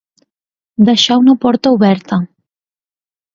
Deixar una porta oberta.